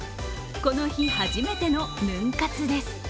この日、初めてのヌン活です。